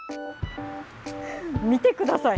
見てください。